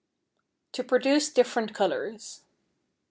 =To Produce Different Colors.